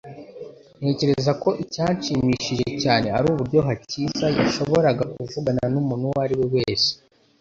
Ntekereza ko icyanshimishije cyane ari uburyo hakiza yashoboraga kuvugana numuntu uwo ari we wese.